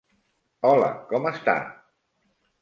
Hola, com està?